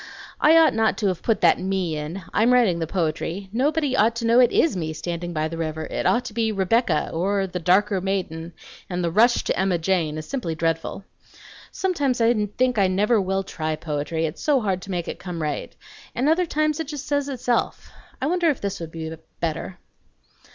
"I ought not to have put that 'me' in. I'm writing the poetry. Nobody ought to know it IS me standing by the river; it ought to be 'Rebecca,' or 'the darker maiden;' and 'the rush to Emma Jane' is simply dreadful. Sometimes I think I never will try poetry, it's so hard to make it come right; and other times it just says itself. I wonder if this would be better?